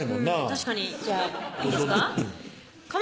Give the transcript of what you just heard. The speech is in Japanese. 確かにじゃあいいですか？